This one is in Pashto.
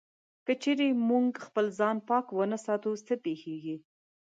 که چېرې موږ خپل ځان پاک و نه ساتو، څه پېښيږي؟